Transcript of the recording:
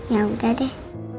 ya udah deh